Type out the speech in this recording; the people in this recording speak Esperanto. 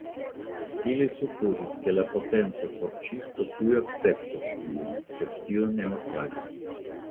Ili supozis ke la Potenca Sorĉisto tuj akceptos ilin, sed tio ne okazis.